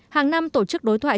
hàng năm tổ chức đối thoại